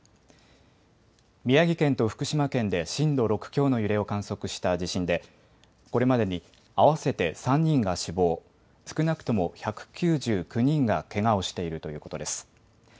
宮城県と福島県で震度６強の揺れを観測した地震でこれまでに合わせて３人が死亡、少なくとも１９９人がけがをしているということです。